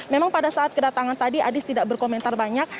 memang pada saat kedatangan tadi anies tidak berkomentar banyak